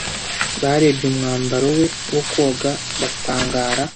Barebye umwambaro we wo koga batangara.